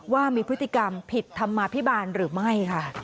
ว่ามีพฤติกรรมผิดธรรมาภิบาลหรือไม่ค่ะ